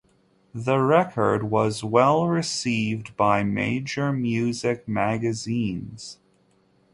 The record was well received by major music magazines.